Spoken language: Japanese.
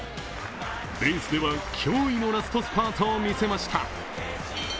レースでは、驚異のラストスパートを見せました。